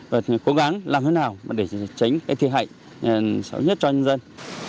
và cố gắng làm thế nào để tránh thi hại xấu nhất cho nhân dân